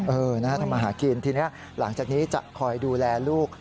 ทำมาหากินทีนี้หลังจากนี้จะคอยดูแลลูก